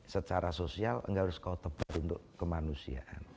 secara sosial gak harus kau tebak untuk kemanusiaan